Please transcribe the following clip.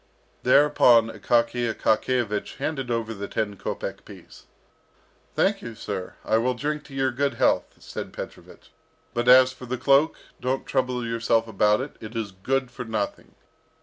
Thereupon Akaky Akakiyevich handed over the ten kopek piece. "Thank you, sir. I will drink your good health," said Petrovich. "But as for the cloak, don't trouble yourself about it; it is good for nothing.